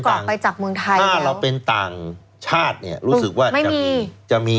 กลับไปจากเมืองไทยถ้าเราเป็นต่างชาติเนี่ยรู้สึกว่าจะมีจะมี